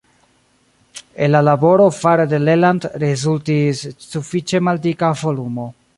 El la laboro fare de Leland rezultis sufiĉe maldika volumo.